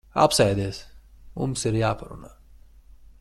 Apsēdies. Mums ir jāparunā.